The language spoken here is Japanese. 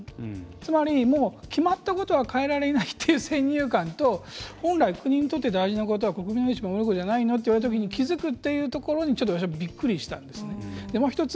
つまり、もう決まったことは変えられないという先入観と本来、国にとって大事なことは国民の命を守ることじゃないのって言われたときに気付くというところに、ちょっと私はびっくりしたんですね。